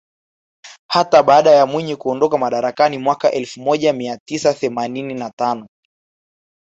Hata baada ya Mwinyi kuondoka madarakani mwaka elfu moja mia tisa themanini na tano